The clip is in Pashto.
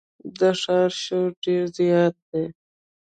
د ښار شور ډېر زیات دی.